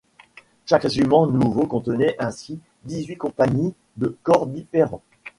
Chaque régiment nouveau contenait ainsi dix-huit compagnies de corps différents.